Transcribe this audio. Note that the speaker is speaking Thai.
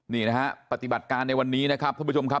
นี่นะฮะปฏิบัติการในวันนี้นะครับท่านผู้ชมครับ